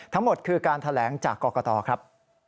ทั้งหมดคือการแถลงจากกรกตครับ